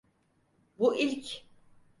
Bu ilk.